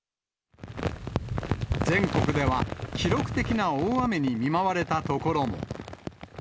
全国では記録的な大雨に見舞われた所も。